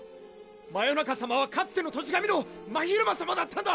魔夜中さまはかつての土地神の真昼間さまだったんだ！